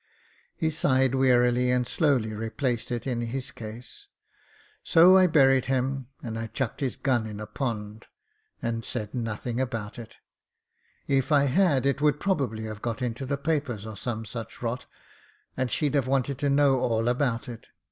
He sighed wearily and slowly replaced it in his case. "So I buried him» and I chucked his gun in a pond, and said nothing about it If I had it would probably have got into the papers or some such rot, and she'd have wanted to know all about it.